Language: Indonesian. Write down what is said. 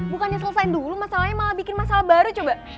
bukannya selesai dulu masalahnya malah bikin masalah baru coba